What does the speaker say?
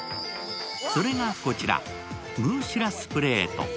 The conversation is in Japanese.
それがこちら、ムーしらすプレート。